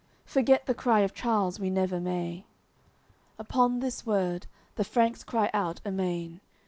Forget the cry of Charles we never may." Upon this word the Franks cry out amain.